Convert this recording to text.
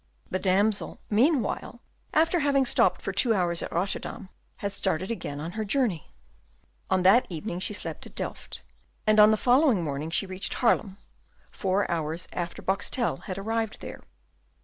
The damsel, meanwhile, after having stopped for two hours at Rotterdam, had started again on her journey. On that evening she slept at Delft, and on the following morning she reached Haarlem, four hours after Boxtel had arrived there.